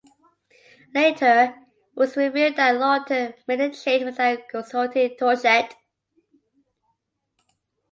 Later, it was revealed that Lawton made the change without consulting Tocchet.